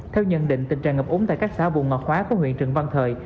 theo nhận định tình trạng ngập úng tại các xã vùng ngọt khóa của huyện trần văn thời